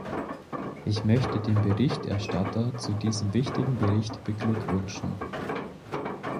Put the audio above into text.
Ich möchte den Berichterstatter zu diesem wichtigen Bericht beglückwünschen.